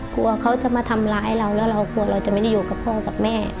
กลัวเขาจะมาทำร้ายเราแล้วเรากลัวเราจะไม่ได้อยู่กับพ่อกับแม่